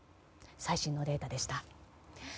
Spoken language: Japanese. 最新のデータでした。